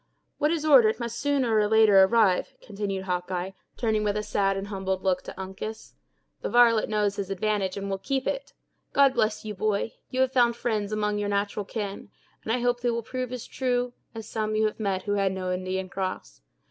"What is ordered must sooner or later arrive," continued Hawkeye, turning with a sad and humbled look to Uncas. "The varlet knows his advantage and will keep it! God bless you, boy; you have found friends among your natural kin, and I hope they will prove as true as some you have met who had no Indian cross.